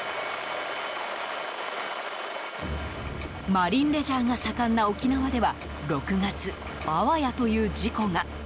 マリンレジャーが盛んな沖縄では６月、あわやという事故が。